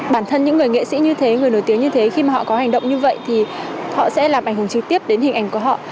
bản thân những người nghệ sĩ như thế người nổi tiếng như thế khi mà họ có hành động như vậy thì họ sẽ làm ảnh hưởng trực tiếp đến hình ảnh của họ